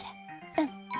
うん。